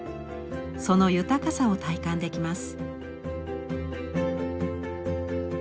その豊かさを体感できます。